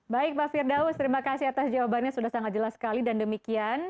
baik pak firdaus terima kasih atas jawabannya sudah sangat jelas sekali dan demikian